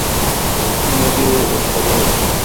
অন্য কেউ হবে হয়ত।